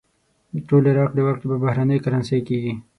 ټولې راکړې ورکړې په بهرنۍ کرنسۍ کېږي.